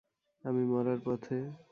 আমি মরার পথে।